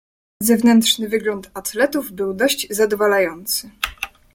"Zewnętrzny wygląd atletów był dość zadowalający."